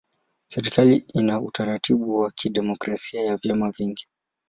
Serikali ina utaratibu wa kidemokrasia ya vyama vingi.